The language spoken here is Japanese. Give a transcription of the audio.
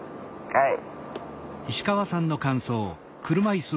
はい。